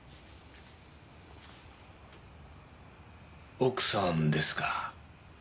奥さんですか？